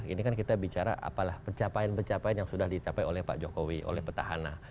ini kan kita bicara apalah pencapaian pencapaian yang sudah dicapai oleh pak jokowi oleh petahana